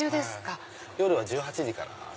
夜は１８時から。